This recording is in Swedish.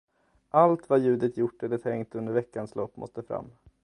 Allt vad Judith gjort eller tänkt under veckans lopp måste fram.